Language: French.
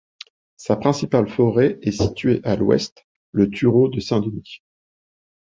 Sa principale forêt est située à l'ouest, le Thureau de Saint-Denis.